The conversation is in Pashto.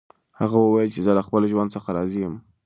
هغه وویل چې زه له خپل ژوند څخه راضي یم.